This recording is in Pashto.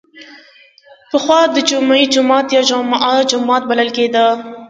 پخوا د جمعې جومات یا جمعه جومات بلل کیده.